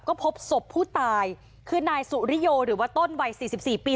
ก็พบศพผู้ตายคือนายสุริโยหรือว่าต้นวัยสี่สิบสี่ปี